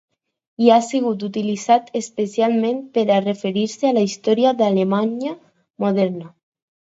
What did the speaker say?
Ha sigut utilitzat especialment per a referir-se a la història d'Alemanya moderna.